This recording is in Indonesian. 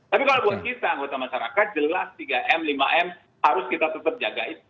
tapi kalau buat kita anggota masyarakat jelas tiga m lima m harus kita tetap jagain